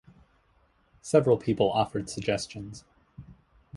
Several people offered suggestions.